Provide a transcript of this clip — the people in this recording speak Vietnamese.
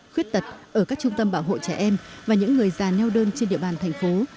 khuyết tật ở các trung tâm bảo hộ trẻ em và những người già neo đơn trên địa bàn thành phố